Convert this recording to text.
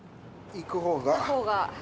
行くほうが。